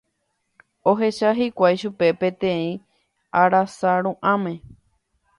Ohecha hikuái chupe peteĩ arasa ru'ãme.